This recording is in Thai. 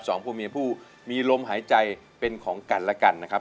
สองผู้มีผู้มีลมหายใจเป็นของกันและกันนะครับ